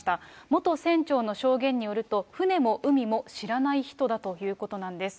元船長の証言によると、船も海も知らない人だということなんです。